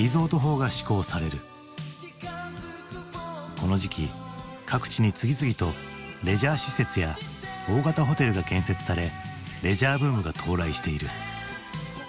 この時期各地に次々とレジャー施設や大型ホテルが建設されレジャーブームが到来している。